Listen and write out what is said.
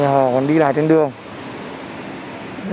họ còn đi lại trên đường